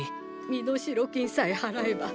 身代金さえ払えば。